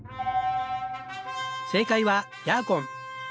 正解はヤーコン。